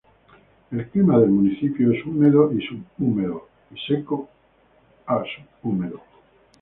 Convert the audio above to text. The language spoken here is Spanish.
El clima del municipio es húmedo y subhúmedo y seco a subhúmedo.